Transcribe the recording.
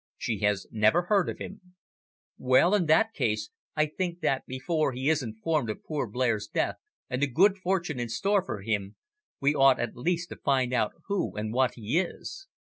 "She has never heard of him." "Well, in that case, I think that, before he is informed of poor Blair's death and the good fortune in store for him, we ought at least to find out who and what he is.